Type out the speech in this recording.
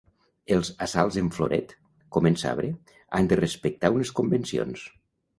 Els assalts en floret, com en sabre, han de respectar unes convencions.